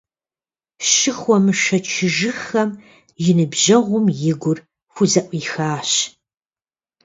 Щыхуэмышэчыжыххэм, и ныбжьэгъум и гур хузэӀуихащ.